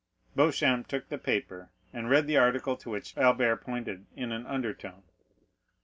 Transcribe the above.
Beauchamp took the paper, and read the article to which Albert pointed in an undertone.